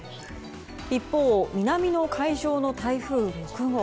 一方、南の海上の台風６号。